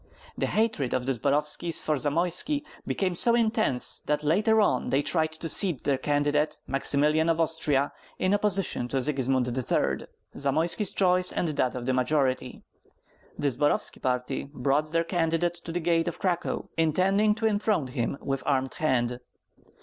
The hatred of the Zborovskis for Zamoyski became so intense that later on they tried to seat their candidate, Maximilian of Austria, in opposition to Sigismund III., Zamoyski's choice and that of the majority. The Zborovski party brought their candidate to the gate of Cracow, intending to enthrone him with armed hand.